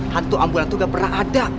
hantu ambulan itu gak pernah ada